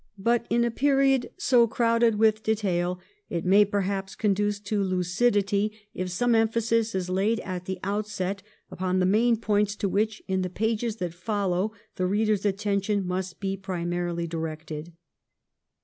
But in a period so crowded with detail it may, per haps, conduce to lucidity if some emphasis is laid at the outset upon the main points to which, in the pages that follow, the reader's attention must be primarily directed.